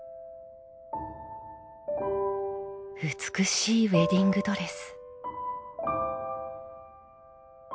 「美しいウエディングドレス」。